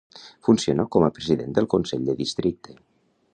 Funciona com a president del Consell de Districte.